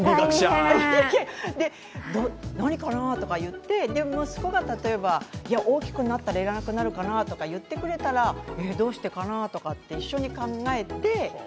で、何かなとか言って息子が例えば、大きくなったら要らなくなるかなとか言ってくれたらどうしてかなとかって一緒に考えて。